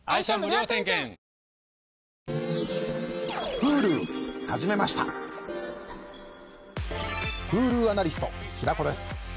Ｈｕｌｕアナリスト平子です。